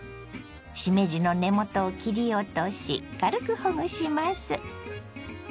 しめじの根元を切り落とし軽くほぐします。